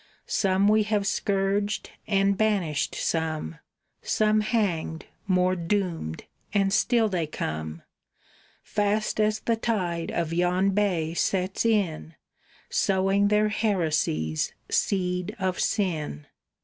Some we have scourged, and banished some, Some hanged, more doomed, and still they come, Fast as the tide of yon bay sets in, Sowing their heresy's seed of sin.